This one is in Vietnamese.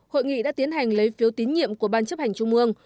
hội nghị đã tiến hành lấy phiếu tín nhiệm của ban chấp hành trung ương